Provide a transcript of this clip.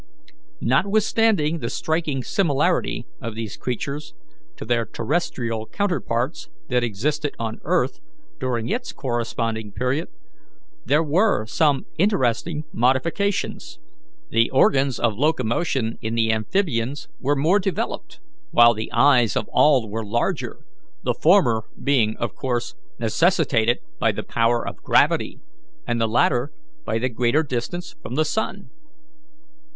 Notwithstanding the striking similarity of these creatures to their terrestrial counterparts that existed on earth during its corresponding period, there were some interesting modifications. The organs of locomotion in the amphibians were more developed, while the eyes of all were larger, the former being of course necessitated by the power of gravity, and the latter by the greater distance from the sun.